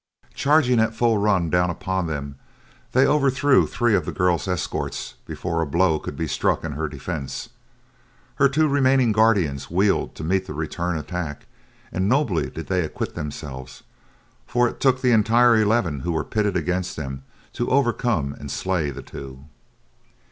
Charging at full run down upon them, they overthrew three of the girl's escort before a blow could be struck in her defense. Her two remaining guardians wheeled to meet the return attack, and nobly did they acquit themselves, for it took the entire eleven who were pitted against them to overcome and slay the two.